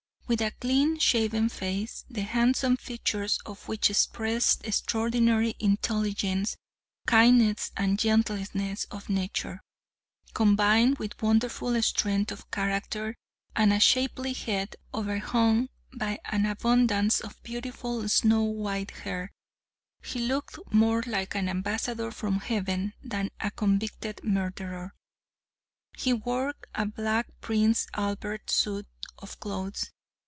With a clean shaven face, the handsome features of which expressed extraordinary intelligence, kindness, and gentleness of nature, combined with wonderful strength of character, and a shapely head, overhung by an abundance of beautiful snow white hair, he looked more like an ambassador from heaven than a convicted murderer. He wore a black Prince Albert suit of clothes.